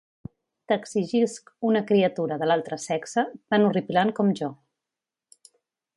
T'exigisc una criatura de l'altre sexe, tan horripilant com jo.